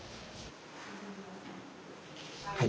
はい。